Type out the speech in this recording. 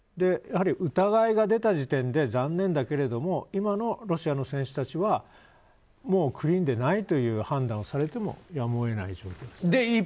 やはり疑いが出た時点で残念だけれども今のロシアの選手たちはもうクリーンではないという判断をされてもやむを得ない状況です。